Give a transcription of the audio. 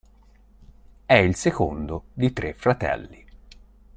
È il secondo di tre fratelli.